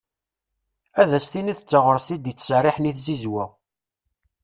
Ad as-tiniḍ d taɣrast i d-itt-serriḥen i tzizwa.